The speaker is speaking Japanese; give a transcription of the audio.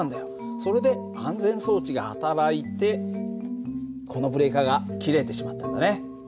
それで安全装置が働いてこのブレーカーが切れてしまったんだね。